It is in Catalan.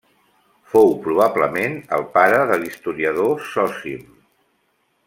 Fou probablement el pare de l'historiador Zòsim.